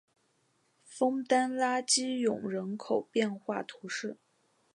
枫丹拉基永人口变化图示